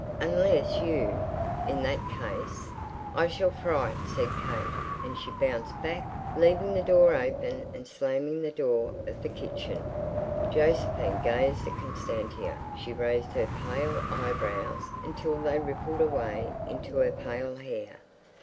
Unless you.... In that case—" "I shall fry it," said Kate, and she bounced back, leaving their door open and slamming the door of her kitchen. Josephine gazed at Constantia; she raised her pale eyebrows until they rippled away into her pale hair.